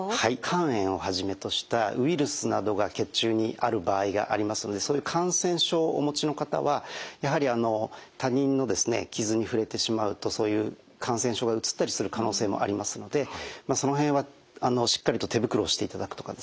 肝炎をはじめとしたウイルスなどが血中にある場合がありますのでそういう感染症をお持ちの方はやはり他人の傷に触れてしまうとそういう感染症がうつったりする可能性もありますのでその辺はしっかりと手袋をしていただくとかですね